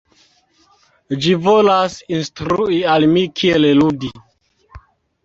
Ĝi volas instrui al mi kiel ludi